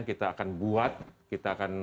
kita akan buat kita akan